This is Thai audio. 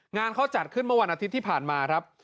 งานเขาจัดขึ้นเมื่อวันอาทิตย์ที่ผ่านมาครับ